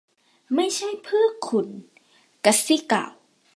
ไม่ใช่เพื่อคุณ. กัซซี่กล่าว